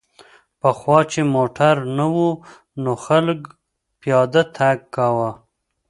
پخوا چې موټر نه و نو خلک پیاده تګ کاوه